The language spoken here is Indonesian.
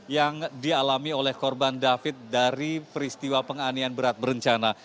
yang dialami oleh korban david dari peristiwa penganian berat berencana